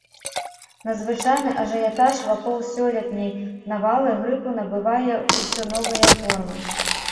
Надзвычайны ажыятаж вакол сёлетняй навалы грыпу набывае ўсё новыя формы.